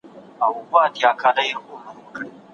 د ښکلا ییز حس نشتوالي د هغه څېړنه خرابه کړه.